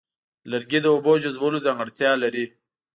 لرګي د اوبو جذبولو ځانګړتیا لري.